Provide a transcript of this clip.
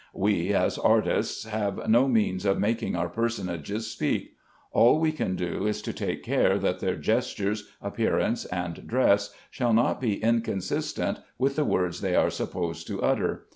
We, as artists, have no means of making our personages speak. All we can do is to take care that their gestures, appearance, and dress, shall not be inconsistent with the words they are supposed to utter.